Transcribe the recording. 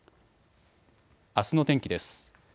あすの天気です。